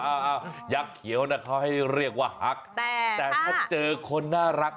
อืออยากเคี้ยวน่ะเขาให้เรียกว่าฮัคแต่ค่ะแต่ถ้าเจอคนน่ารัก